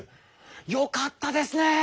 よかったですね！